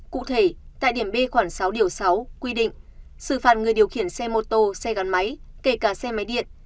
cụ thể tại điểm b khoảng sáu điều sáu quy định xử phạt người điều khiển xe mô tô xe gắn máy kể cả xe máy điện